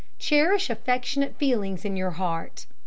Cherish affectionate feelings in your hearts.